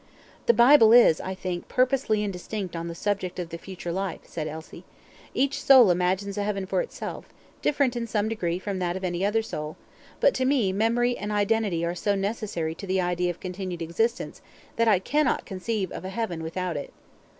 "The Bible is, I think, purposely indistinct on the subject of the future life," said Elsie. "Each soul imagines a heaven for itself, different in some degree from that of any other soul; but to me memory and identity are so necessary to the idea of continued existence that I cannot conceive of a heaven without it."